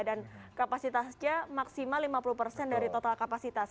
dan kapasitasnya maksimal lima puluh dari total kapasitas